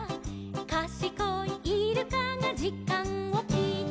「かしこいイルカがじかんをきいた」